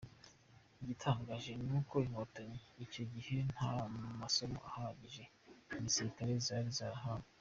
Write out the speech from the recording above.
Igitangaje ni uko Inkotanyi icyo gihe nta masomo ahagije ya gisirikare zari zarahawe.